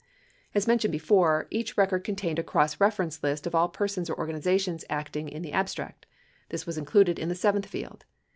As mentioned before, each record contained a cross reference list of all persons or organizations acting in the abstract. This was included in the seventh field.